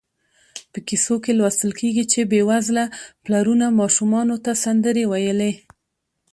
په کیسو کې لوستل کېږي چې بېوزله پلرونو ماشومانو ته سندرې ویلې.